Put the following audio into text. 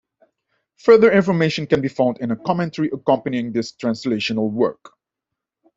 Further information can be found in a commentary accompanying this translational work.